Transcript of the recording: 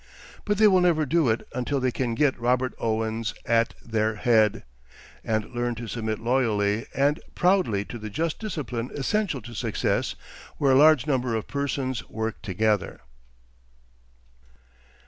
But they will never do it until they can get Robert Owens at their head, and learn to submit loyally and proudly to the just discipline essential to success where a large number of persons work together.